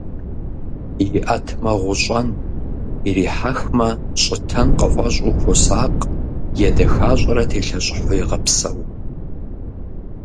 ИӀэтмэ, гъущӀэн, ирихьэхмэ, щӀытэн къыфэщӀу, хуосакъ, едэхащӀэрэ телъэщӀыхьу егъэпсэу.